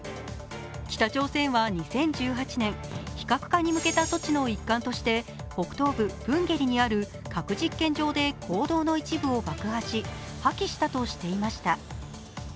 北朝鮮は２０１８年非核化に向けた措置の一環として北東部プンゲリにある核実験場で坑道の一部を爆破し、破棄したとしていました。